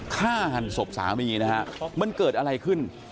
ฆ่าหันศพสามีนะฮะมันเกิดอะไรขึ้น